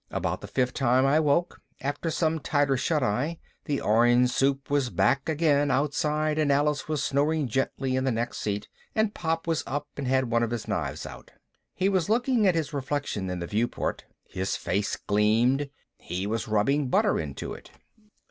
About the fifth time I woke up, after some tighter shut eye, the orange soup was back again outside and Alice was snoring gently in the next seat and Pop was up and had one of his knives out. He was looking at his reflection in the viewport. His face gleamed. He was rubbing butter into it.